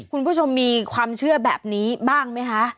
คุณผู้ชมมีความเชื่อแบบนี้บ้างไหมคะ